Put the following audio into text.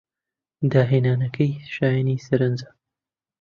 داهێنانەکەی شایانی سەرنجە.